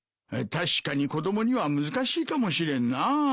確かに子供には難しいかもしれんなぁ。